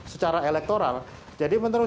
secara elektoral jadi menurut